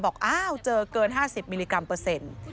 บอกอ้าวเจอเกิน๕๐มิลลิกรัมเปอร์เซ็นต์